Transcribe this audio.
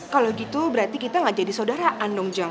kalau gitu berarti kita nggak jadi saudaraan dong jeng